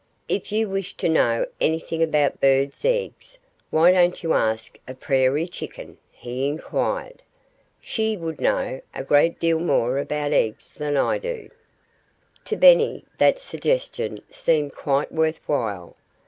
"If you wish to know anything about birds' eggs, why don't you ask a Prairie Chicken?" he inquired. "She would know a great deal more about eggs than I do." To Benny, that suggestion seemed quite worth while.